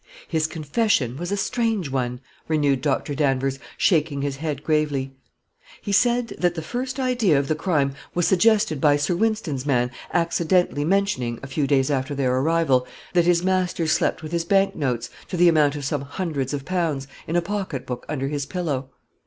"His confession was a strange one," renewed Dr. Danvers, shaking his head gravely. "He said that the first idea of the crime was suggested by Sir Wynston's man accidentally mentioning, a few days after their arrival, that his master slept with his bank notes, to the amount of some hundreds of pounds, in a pocketbook under his pillow.